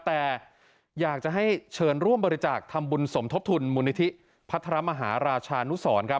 ต้องเชิญบริจาคธรรมบุญสมทบทุลมุณิธิพระมหาราชานุมษธ์